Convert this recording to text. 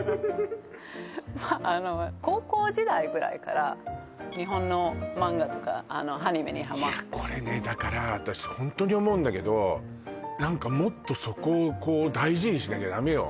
まああの高校時代ぐらいから日本の漫画とかアニメにハマっていやこれねだから私ホントに思うんだけど何かもっとそこをこう大事にしなきゃダメよ